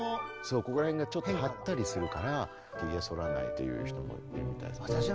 ここら辺がちょっと張ったりするからヒゲ剃らないという人もいるみたいです。